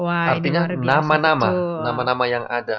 artinya nama nama nama yang ada